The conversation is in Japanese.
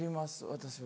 私は。